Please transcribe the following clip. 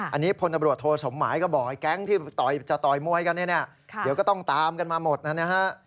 อันนี้พลตำรวจโทสมหมายก็บอกไอ้แก๊งที่จะต่อยมวยกันเนี่ยเดี๋ยวก็ต้องตามกันมาหมดนะฮะ